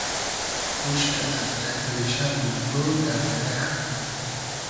خوشکۂ از رئگ ریشۂ , موسۉ , دئر دیرئخت